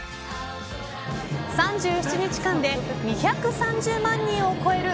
３７日間で２３０万人を超える